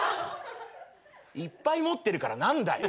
いっぱい持ってるから何だよ。